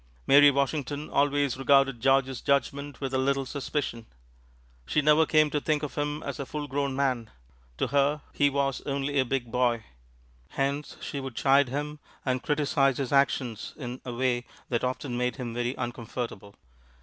Mary Washington always regarded George's judgment with a little suspicion; she never came to think of him as a full grown man; to her he was only a big boy. Hence, she would chide him and criticize his actions in a way that often made him very uncomfortable.